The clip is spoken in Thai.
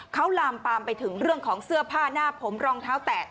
เขาลามปามไปถึงเรื่องของเสื้อผ้าหน้าผมรองเท้าแตะ